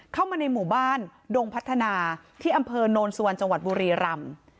เข้ามาในหมู่บ้านดงพัฒนาที่อำเภอโนนสุวรรณจังหวัดบุรีรำ